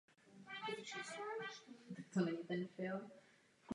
Přes svou malou rozlohu je ostrov historicky a politicky významný.